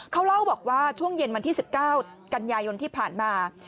เขาเล่าบอกว่าช่วงเย็นวันที่๑๙กันยายนที่ผ่านมา